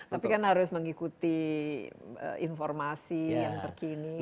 tapi kan harus mengikuti informasi yang terkini